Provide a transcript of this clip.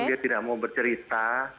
dia tidak mau bercerita